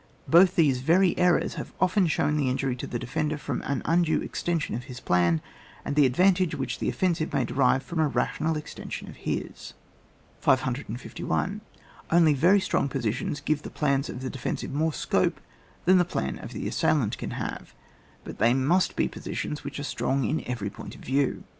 Both these very errors have often shown the injury to the defender from an undue extension of his plan, and the advantage which the offensive may derive from a rational extension of his. 551. Only very strong positions give the plans of the defensive more scope than the plan of the assailant can have, hut they must be positions which are strong in every point of view.